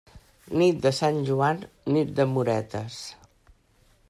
Nit de Sant Joan, nit d'amoretes.